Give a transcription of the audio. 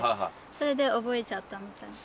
それで覚えちゃったみたいな。